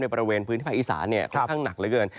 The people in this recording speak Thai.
บริเวณพื้นที่ภาคอีสานค่อนข้างหนักเหลือเกิน